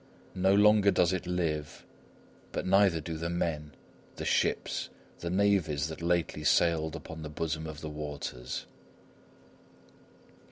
No longer does it live, but neither do the men, the ships, the navies that lately sailed upon the bosom of the waters.